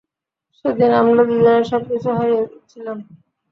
সেদিন আমরা দুজনেই সবকিছু হারিয়েছিলাম।